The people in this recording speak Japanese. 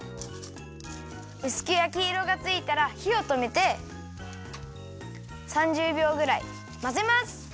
うすくやきいろがついたらひをとめて３０びょうぐらいまぜます。